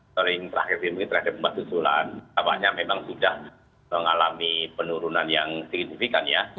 sejak terakhir ini terakhir gempa susulan memang sudah mengalami penurunan yang signifikan ya